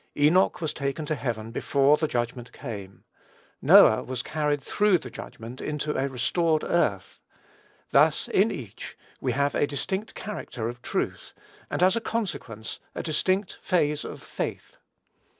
Enoch was taken to heaven before the judgment came; Noah was carried through the judgment into a restored earth. Thus, in each, we have a distinct character of truth, and, as a consequence, a distinct phase of faith.